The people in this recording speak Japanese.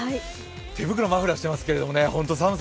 手袋、マフラーしていますけど寒さ